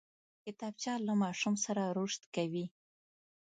کتابچه له ماشوم سره رشد کوي